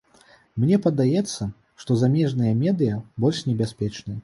Мне падаецца, што замежныя медыя больш небяспечныя.